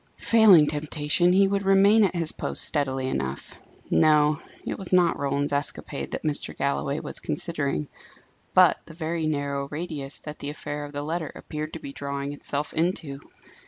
Failing temptation, he would remain at his post steadily enough. No; it was not Roland's escapade that Mr. Galloway was considering; but the very narrow radius that the affair of the letter appeared to be drawing itself into.